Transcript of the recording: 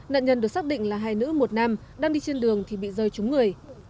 nạn nhân được xác định là hai nữ một nam đang đi trên đường thì bị rơi trúng người